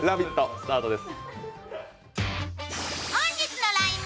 スタートです。